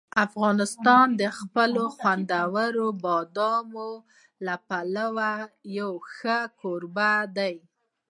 افغانستان د خپلو خوندورو بادامو لپاره یو ښه کوربه دی.